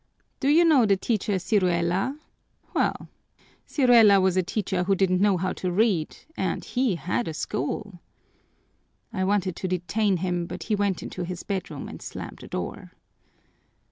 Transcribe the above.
Do you know the teacher Ciruela? Well, Ciruela was a teacher who didn't know how to read, and he had a school.' I wanted to detain him, but he went into his bedroom and slammed the door.